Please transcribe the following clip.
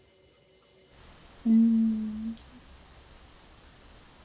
うん。